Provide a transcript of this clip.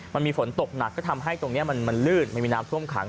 มันมีฝนตกหนักก็ทำให้ตรงนี้มันลื่นมันมีน้ำท่วมขัง